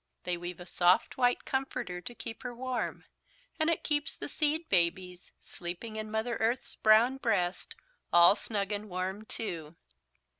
They weave a soft white comforter to keep her warm. And it keeps the seed babies, sleeping in Mother Earth's brown breast, all snug and warm too."